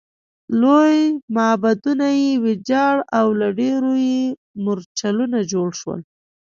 لوی معبدونه یې ویجاړ او له ډبرو یې مورچلونه جوړ شول